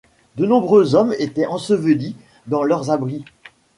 De nombreux hommes étaient ensevelis dans leurs abris.